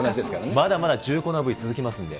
まだまだ重厚なＶＴＲ続きますので。